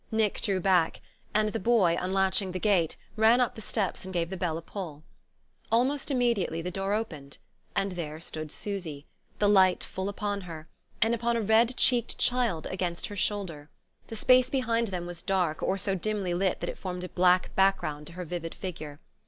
Nick drew back, and the boy, unlatching the gate, ran up the steps and gave the bell a pull. Almost immediately the door opened; and there stood Susy, the light full upon her, and upon a red checked child against her shoulder. The space behind them was dark, or so dimly lit that it formed a black background to her vivid figure.